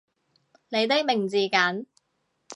你的名字梗